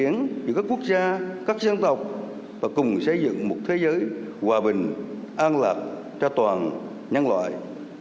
diễn giữa các quốc gia các dân tộc và cùng xây dựng một thế giới hòa bình an lạc cho toàn nhân loại